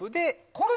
これ？